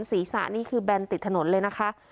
ศีรษะนี่คือแนนติดถนนเลยนะคะ